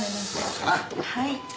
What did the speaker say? はい。